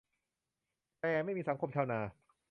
แต่ "ไม่มีสังคมชาวนา"